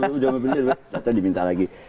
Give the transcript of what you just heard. mencoba berhenti ternyata diminta lagi